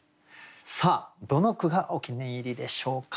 さあどの句がお気に入りでしょうか。